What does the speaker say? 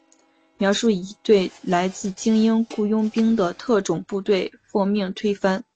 描述一队来自精英雇佣军的特种部队奉命推翻一个位于南美洲小岛的独裁政府。